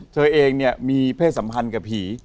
เธอเองเนี่ยมีเพศสัมพันธ์กับผี